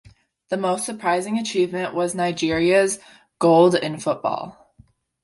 The most surprising achievement was Nigeria's gold in football.